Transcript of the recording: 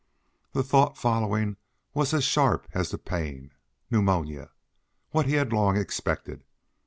The thought following was as sharp as the pain. Pneumonia! What he had long expected!